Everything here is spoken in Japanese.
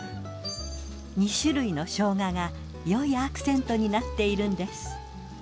２種類の生姜がよいアクセントになっているんです。